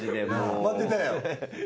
待ってたよ。